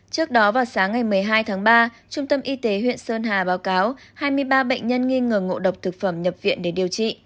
trước đó vào sáng ngày một mươi hai tháng ba trung tâm y tế huyện sơn hà báo cáo hai mươi ba bệnh nhân nghi ngờ ngộ độc thực phẩm nhập viện để điều trị